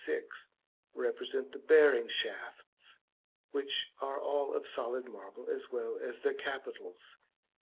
6, represent the bearing shafts, which are all of solid marble as well as their capitals.